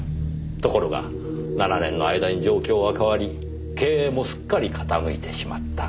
ところが７年の間に状況は変わり経営もすっかり傾いてしまった。